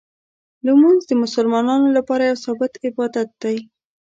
لمونځ د مسلمانانو لپاره یو ثابت عبادت دی.